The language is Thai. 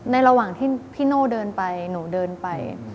ระหว่างที่พี่โน่เดินไปหนูเดินไป